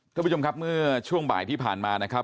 ท่านผู้ชมครับเมื่อช่วงบ่ายที่ผ่านมานะครับ